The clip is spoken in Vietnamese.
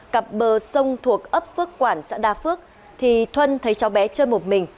cặp bờ sông thuộc ấp phước quản xã đa phước thì thuân thấy cháu bé chơi một mình